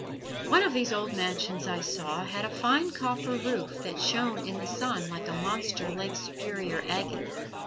One of these old mansions I saw had a fine copper roof that shone in the sun like a monster Lake Superior agate.